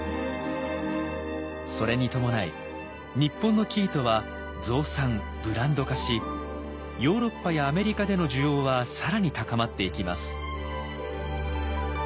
それに伴い日本の生糸は増産・ブランド化しヨーロッパやアメリカでの需要は更に高まっていきます。